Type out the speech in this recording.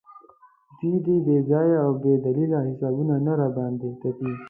دوی دې بې ځایه او بې دلیله حسابونه نه راباندې تپي.